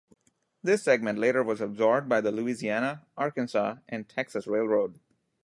This segment later was absorbed by the Louisiana, Arkansas, and Texas Railroad.